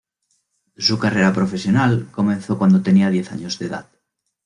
Su carrera profesional comenzó cuando tenía diez años de edad.